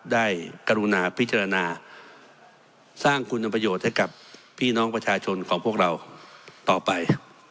กรุณาพิจารณาสร้างคุณประโยชน์ให้กับพี่น้องประชาชนของพวกเราต่อไป